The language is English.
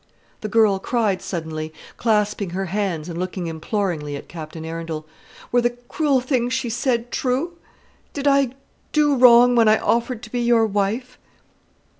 the girl cried suddenly, clasping her hands and looking imploringly at Captain Arundel, "were the cruel things she said true? Did I do wrong when I offered to be your wife?"